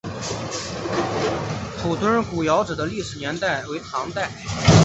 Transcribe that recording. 铺墩古窑址的历史年代为唐代。